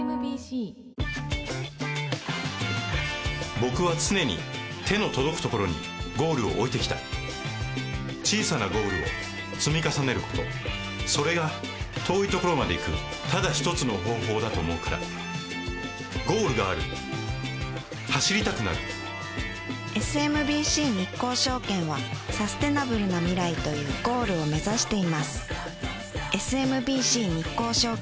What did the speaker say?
僕は常に手の届くところにゴールを置いてきた小さなゴールを積み重ねることそれが遠いところまで行くただ一つの方法だと思うからゴールがある走りたくなるＳＭＢＣ日興証券はサステナブルな未来というゴールを目指していますＳＭＢＣ日興証券